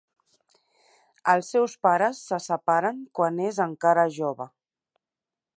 Els seus pares se separen quan és encara jove.